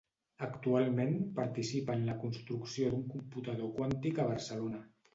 Actualment participa en la construcció d'un computador quàntic a Barcelona.